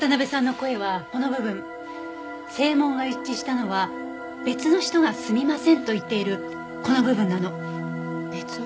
声紋が一致したのは別の人が「すみません」と言っているこの部分なの。